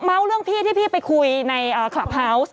เรื่องพี่ที่พี่ไปคุยในคลับเฮาวส์